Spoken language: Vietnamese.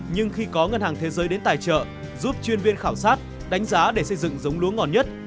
nhưng khi có ngân hàng thế giới đến tài trợ giúp chuyên viên khảo sát đánh giá để xây dựng giống lúa ngon nhất